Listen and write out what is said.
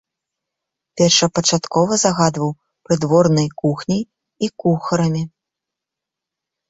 Першапачаткова загадваў прыдворнай кухняй і кухарамі.